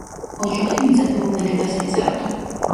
ოჯახი მიწათმოქმედებას ეწეოდა.